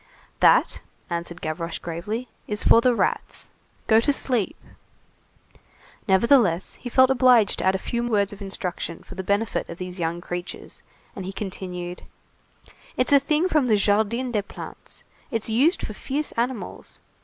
"That," answered Gavroche gravely, "is for the rats. Go to sleep!" Nevertheless, he felt obliged to add a few words of instruction for the benefit of these young creatures, and he continued:— "It's a thing from the Jardin des Plantes. It's used for fierce animals.